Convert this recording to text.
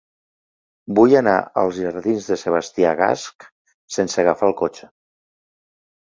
Vull anar als jardins de Sebastià Gasch sense agafar el cotxe.